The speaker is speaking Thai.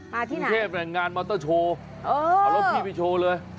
มาที่ไหนบริเวณเชฟเนี่ยงานมอเตอร์โชว์เอารถพี่ไปโชว์เลย